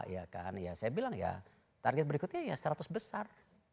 ya kan ya saya bilang ya target berikutnya ya seratus besar